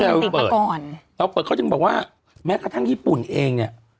อุปกรณ์เราเปิดเขาจึงบอกว่าแม้กระทั่งญี่ปุ่นเองเนี่ย